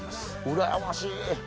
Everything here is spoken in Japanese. うらやましい！